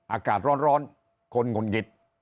อากาศร้อนคนหุ่นหงิด